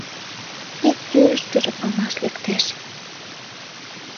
Ик тӱрыштыжӧ памаш лектеш.